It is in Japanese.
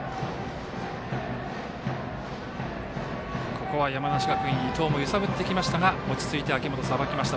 ここは山梨学院、伊藤も揺さぶってきましたが落ち着いて秋本がさばきました。